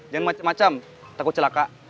jangan macem macem takut celaka